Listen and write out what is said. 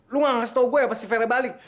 lo gak ngasih tau gue apa si vernya balik